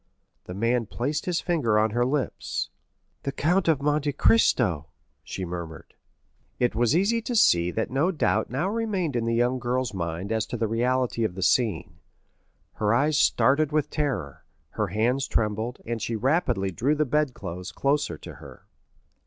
The man placed his finger on her lips. "The Count of Monte Cristo!" she murmured. It was easy to see that no doubt now remained in the young girl's mind as to the reality of the scene; her eyes started with terror, her hands trembled, and she rapidly drew the bedclothes closer to her.